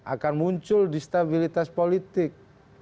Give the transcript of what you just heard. akan muncul distabilitas politik